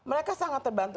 mereka sangat terbantu